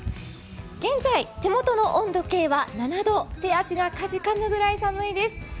現在手元の温度計は７度、手足がかじかむくらい寒いです。